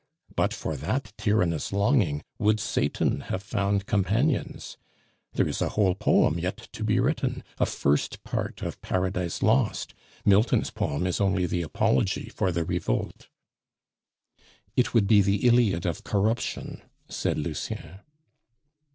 But for that tyrannous longing, would Satan have found companions? There is a whole poem yet to be written, a first part of Paradise Lost; Milton's poem is only the apology for the revolt." "It would be the Iliad of Corruption," said Lucien.